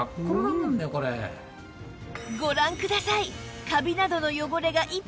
ご覧ください